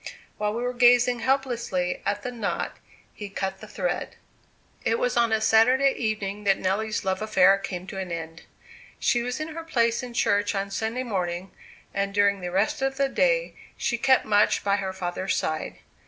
While we were gazing helplessly at the knot, He cut the thread." It was on a Saturday evening that Nelly's love affair came to an end. She was in her place in church on Sunday morning, and during the rest of the day she kept much by her father's side.